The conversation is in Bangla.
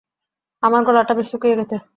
আমার গলাটা বেশ শুকিয়ে গেছে!